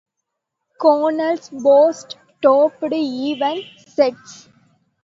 Conall's boasts topped even Cet's.